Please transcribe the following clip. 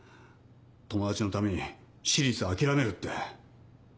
友達のために私立諦めるって。